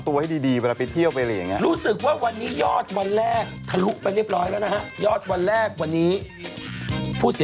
สติน้ำมัดเดียวสว่างนะคำตอบรายจริงสติมากปัญญาคือ